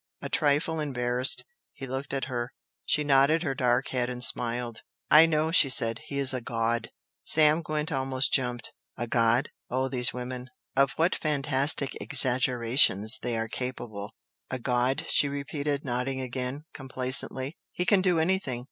A trifle embarrassed, he looked at her. She nodded her dark head and smiled. "I know!" she said "He is a god!" Sam Gwent almost jumped. A god! Oh, these women! Of what fantastic exaggerations they are capable! "A god!" she repeated, nodding again, complacently; "He can do anything!